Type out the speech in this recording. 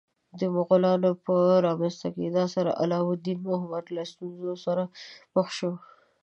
د مغولانو په رامنځته کېدا سره علاوالدین محمد له ستونزو سره مخ شو.